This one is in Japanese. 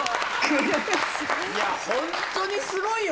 いや本当にすごいよ